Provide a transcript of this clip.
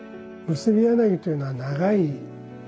結柳というのは長い柳で。